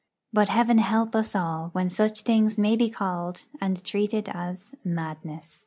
But Heaven help us all when such things may be called, and treated as, madness.